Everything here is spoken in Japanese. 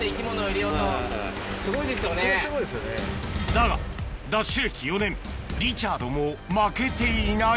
だがＤＡＳＨ歴４年リチャードも負けていない